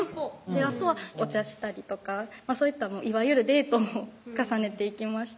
あとはお茶したりとかそういったいわゆるデートを重ねていきました